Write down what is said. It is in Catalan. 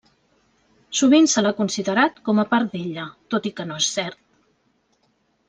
Sovint se l'ha considerat com a part d'ella, tot i que no és cert.